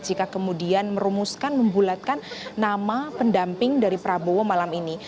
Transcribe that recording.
jika kemudian merumuskan membulatkan nama pendamping dari prabowo malam ini